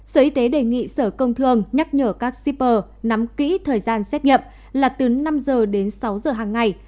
sở công thường nhắc nhở các shipper nắm kỹ thời gian xét nghiệm là từ năm giờ đến sáu giờ hàng ngày